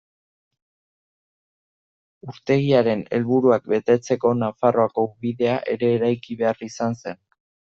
Urtegiaren helburuak betetzeko, Nafarroako ubidea ere eraiki behar izan zen.